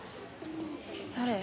誰？